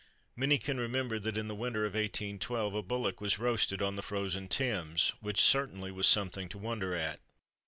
Many can remember that in the winter of 1812 a bullock was roasted on the frozen Thames, which certainly was something to wonder at.